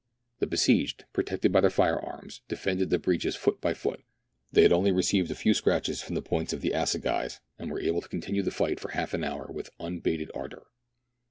The besieged, protected by their fire arms, defended the breaches foot by foot ; they had only received a few scratches from the points of the assagais, and were able to continue the fight for half an hour with unabated ardour.